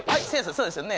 そうですよね」